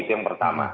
itu yang pertama